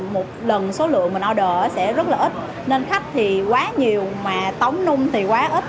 một lần số lượng mình order sẽ rất là ít nên khách thì quá nhiều mà tống nung thì quá ít